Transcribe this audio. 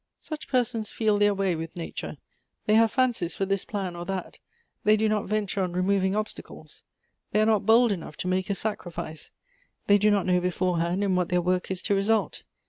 Such persons feel their way with nature. Tliey have fancies for this plan or that; they do not venture on removing obstacles. They are not bold enough to make a sacrifice. They do not know beforehand in what their work is to result.